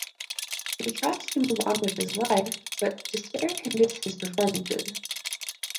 He tries to move on with his life, but despair hinders his performances.